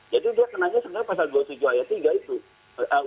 jadi dia kenanya sebenarnya pasal dua puluh tujuh ayat tiga itu